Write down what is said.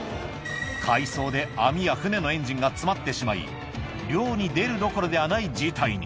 海藻で網や船のエンジンが詰まってしまい、漁に出るどころではない事態に。